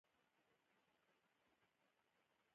احمد بې کوره دی.